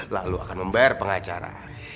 lalu akan membayar pengacara